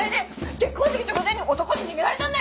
結婚式直前に男に逃げられたんだよ